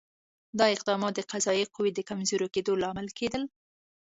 دا اقدامات د قضایه قوې د کمزوري کېدو لامل کېدل.